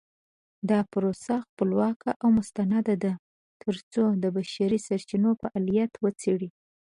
دا پروسه خپلواکه او مستنده ده ترڅو د بشري سرچینو فعالیتونه وڅیړي.